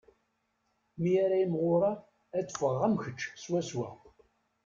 Mi ara imɣureɣ, ad d-ffɣeɣ am kečč swaswa.